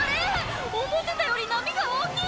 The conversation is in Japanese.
思ってたより波が大きい！」